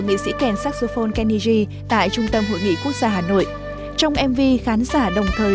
nghệ sĩ ken saxophone kenny g tại trung tâm hội nghị quốc gia hà nội trong mv khán giả đồng thời